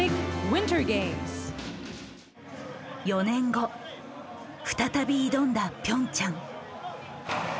４年後再び挑んだピョンチャン。